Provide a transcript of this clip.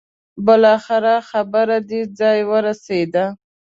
بالاخره خبره دې ځای ورسېده.